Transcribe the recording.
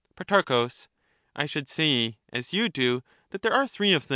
Pro, I should say as you do that there are three of them.